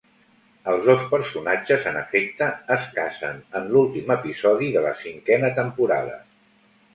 Els dos personatges en efecte, es casen en l'últim episodi de la cinquena temporada.